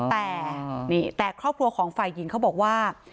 แต่ครอบครัวของฝ่ายหญิงเขาบอกว่า